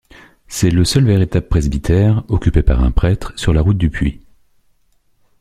C’est le seul véritable presbytère, occupé par un prêtre, sur la route du Puy.